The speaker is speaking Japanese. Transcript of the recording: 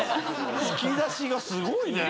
引き出しがすごいね。